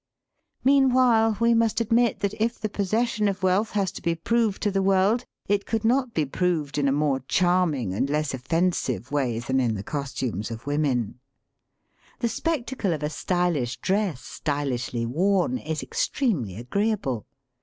Meanwhile, we must admit that, if the possession of wealth has to be proved to the world, it could THE MEANING OF FROCKS 95 not be proved in a more charming and less of fensive way that in the costimies of women. The spectacle of a stylish dress stylishly worn is ex tremely agreeable.